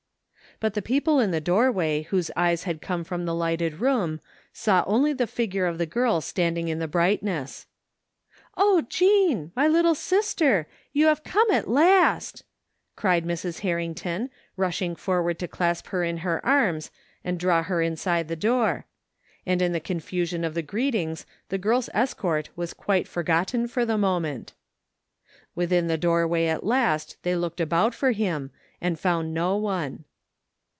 But the people in the doorway whose eyes had come from the lighted room saw only the figure of the girl standing in the brightness. " Oh, Jean f My little sister f You have come at last !" cried Mrs. Harrington, rushing forward to dasp her in her arms, and draw her inside the door; and 99 ii6aoi\ji THE FINDING OF JASPEE HOLT in the confusion of the greetings the girl's escort was quite forgotten for the moment iWithin the doorway at last they looked about for him and f otmd no one.